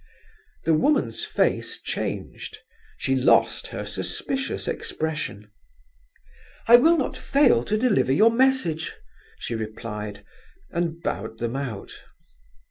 The woman's face changed; she lost her suspicious expression. "I will not fail to deliver your message," she replied, and bowed them out.